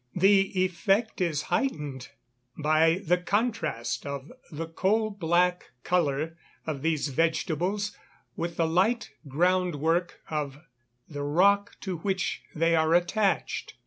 The effect is heightened by the contrast of the coal black colour of these vegetables with the light ground work of the rock to which they are attached.